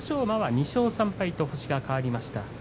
馬は２勝３敗と星が変わりました。